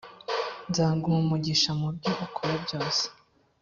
nzaguha umugisha mu byo ukora byose